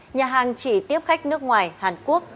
nhà hàng chỉ tiếp khách nước ngoài hàn quốc